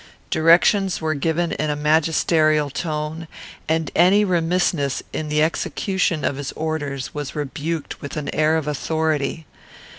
Directions were given in a magisterial tone, and any remissness in the execution of his orders was rebuked with an air of authority.